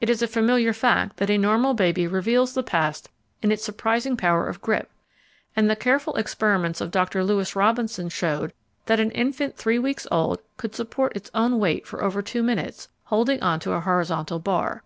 It is a familiar fact that a normal baby reveals the past in its surprising power of grip, and the careful experiments of Dr. Louis Robinson showed that an infant three weeks old could support its own weight for over two minutes, holding on to a horizontal bar.